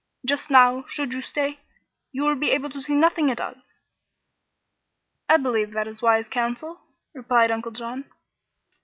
Just now, should you stay, you will be able to see nothing at all." "I believe that is wise counsel," replied Uncle John.